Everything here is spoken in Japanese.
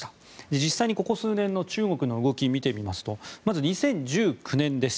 実際にここ数年の中国の動きを見てみますとまず２０１９年です。